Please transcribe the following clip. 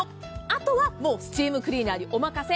あとはスチームクリーナーにお任せ。